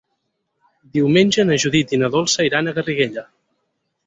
Diumenge na Judit i na Dolça iran a Garriguella.